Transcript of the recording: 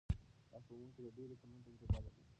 دا ښوونکی د ډېرو کلونو تجربه لري.